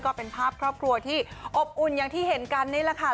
ก็เป็นภาพครอบครัวที่อบอุ่นอย่างที่เห็นกันนี่แหละค่ะ